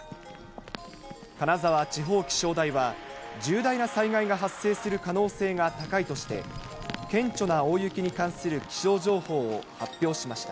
金沢地方気象台は、重大な災害が発生する可能性が高いとして、顕著な大雪に関する気象情報を発表しました。